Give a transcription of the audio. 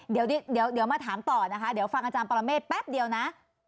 เดี๋ยวมาถามต่อนะคะเดี๋ยวฟังอาจารย์ปรเมฆแป๊บเดียวนะ